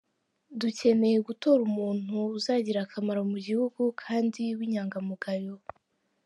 Dukeneye gutora umuntu uzagira akamaro mu gihugu kandi w’inyangamugayo.